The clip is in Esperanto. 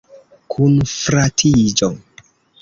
Kunfratiĝo.